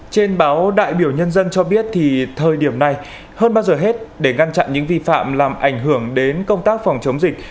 trên báo đại biểu nhân dân cho biết thì thời điểm này hơn bao giờ hết để ngăn chặn những vi phạm làm ảnh hưởng đến công tác phòng chống dịch